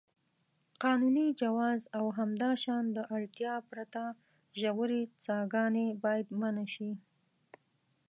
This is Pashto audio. قانوني جواز او همداشان د اړتیا پرته ژورې څاګانې باید منع شي.